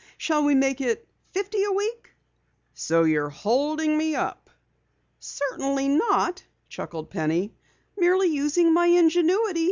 Shall we make it fifty a week?" "So you're holding me up?" "Certainly not," chuckled Penny. "Merely using my ingenuity.